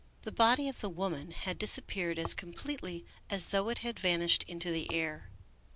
The body of the woman had disappeared as completely as though it had vanished into the air.